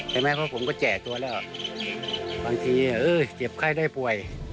เห็นไหมพ่อผมก็แจ่ตัวแล้วบางทีเออเจ็บไข้ได้ป่วย